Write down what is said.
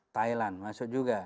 thailand masuk juga